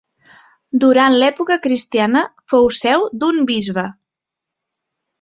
Durant l'època cristiana fou seu d'un bisbe.